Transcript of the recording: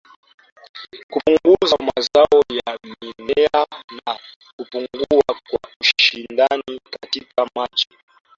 kupunguza mazao ya mimea na kupungua kwa ushindani katika miji